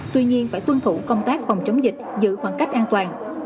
tuy nhiên phải tuân thủ công tác phòng chống dịch giữ khoảng cách an toàn